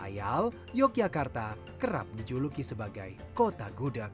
yogyakarta kerap dijuluki sebagai kota gudeg